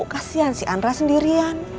kasian si andra sendirian